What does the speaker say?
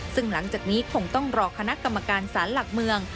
ซึ่งหลังจากนี้คงต้องรอคณะกรรมการศาลหลักเมือง